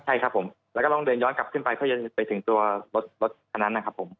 ใช่ครับผมแล้วก็ต้องเดินย้อนกลับขึ้นไปเพื่อจะไปถึงตัวรถคันนั้นนะครับผม